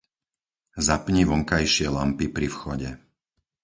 Zapni vonkajšie lampy pri vchode.